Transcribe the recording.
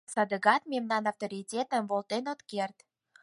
— Садыгак мемнан авторитетым волтен от керт.